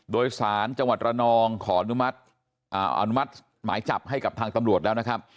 โดยสารจังหวัดระนองขออนุมัติอนุมัติหมายจับให้กับทางตำรวจแล้วนะครับ